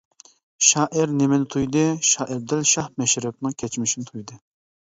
شائىر نېمىنى تۇيدى؟ شائىر دەل شاھ مەشرەپنىڭ كەچمىشىنى تۇيدى.